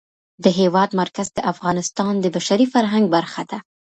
د هېواد مرکز د افغانستان د بشري فرهنګ برخه ده.